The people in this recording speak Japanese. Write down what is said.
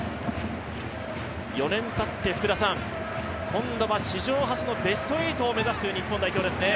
４年たって、今度は史上初のベスト８を目指す日本代表ですね。